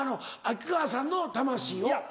秋川さんの魂を。